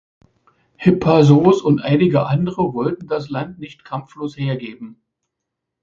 Hippasos und einige andere wollten das Land nicht kampflos hergeben.